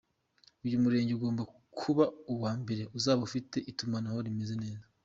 Uyu murenge ugomba kuba uwa Mbere uzaba ufite itumanaho rimeze neza.